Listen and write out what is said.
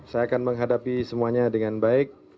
saya akan menghadapi semuanya dengan baik